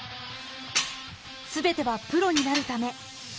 全てはプロになるため。